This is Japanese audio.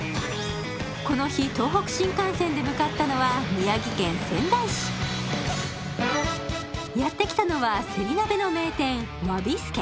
この日東北新幹線で向かったのは宮城県仙台市やってきたのはせり鍋の名店佗び助